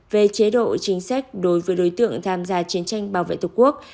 về chế độ chính sách đối với đối tượng tham gia chiến tranh bảo vệ tổ quốc